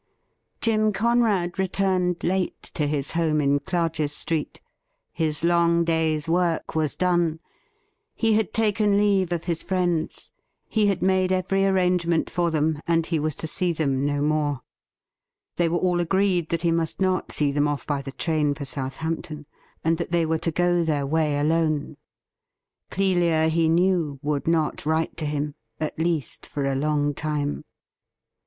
JjM CoNEAD returned late to his home in Clarges Street. His long day's work was done. He had taken leave of his friends. He had made every arrangement for them, and A LEAP IN THE DARK SOI he was to see them no more. They were all agreed that he must not see them off by the train for Southampton, and that they were to go their way alone. Clelia, he knew, would not write to him — at least, for a long time.